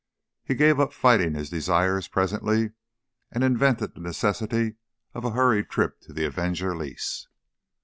He gave up fighting his desires, presently, and invented the necessity of a hurried trip to the Avenger lease.